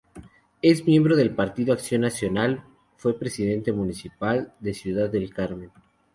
Es miembro del Partido Acción Nacional fue Presidente Municipal de Ciudad del Carmen.